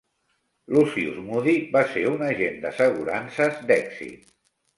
Lucius Moody va ser un agent d'assegurances d'èxit.